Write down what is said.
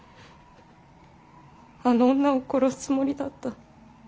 あの女を殺すつもりだった。